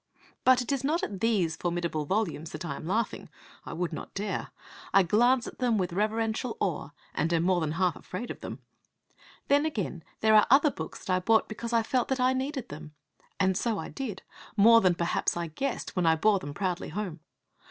But it is not at these formidable volumes that I am laughing. I would not dare. I glance at them with reverential awe, and am more than half afraid of them. Then, again, there are other books that I bought because I felt that I needed them. And so I did, more than perhaps I guessed when I bore them proudly home.